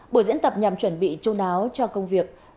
bộ diễn tập nhằm chuẩn bị chung đáo cho công việc